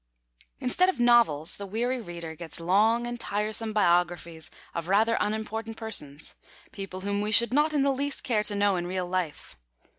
Instead of novels, the weary reader gets long and tiresome biographies of rather unimportant persons; people whom we should not in the least care to know in real life.